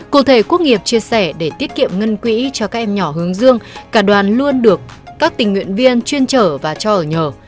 cụ thể quốc nghiệp chia sẻ để tiết kiệm ngân quỹ cho các em nhỏ hướng dương cả đoàn luôn được các tình nguyện viên chuyên trở và cho ở nhờ